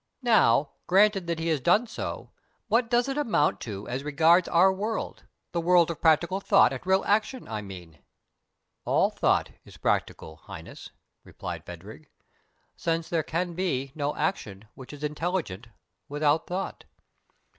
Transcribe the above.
Now, granted that he has done so, what does it amount to as regards our world the world of practical thought and real action, I mean?" "All thought is practical, Highness," replied Phadrig, "since there can be no action which is intelligent without thought.